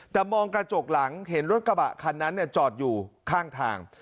แต่มองกระจกหลังเห็นรถกระบะคันนั้นจอดอยู่ข้างทาง